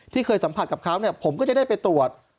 เคยสัมผัสกับเขาเนี่ยผมก็จะได้ไปตรวจ